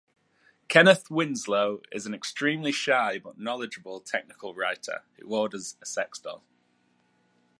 Kenneth Winslow is an extremely shy but knowledgeable technical writer who orders a sex-doll.